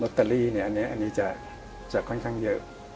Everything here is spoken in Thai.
โรเตอรี่เนี่ยอันนี้จะค่อนข้างเยอะ